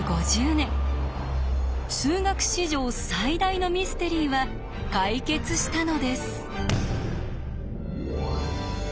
数学史上最大のミステリーは解決したのです。